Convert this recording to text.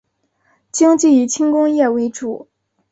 经济以轻工业为主。